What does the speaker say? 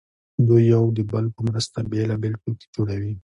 دوی یو د بل په مرسته بېلابېل توکي جوړوي